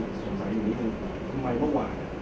ทำไมว่ากลับจึง